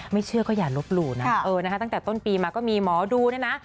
เชื่อก็อย่าลบหลู่นะตั้งแต่ต้นปีมาก็มีหมอดูเนี่ยนะ